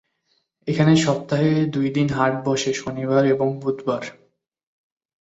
এখানে সপ্তাহে দুইদিন হাট বসে, শনিবার এবং বুধবার।